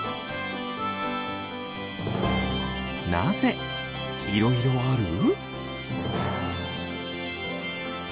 なぜいろいろある？